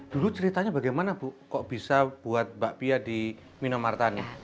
dulu ceritanya bagaimana kok bisa buat bakpia di minomartan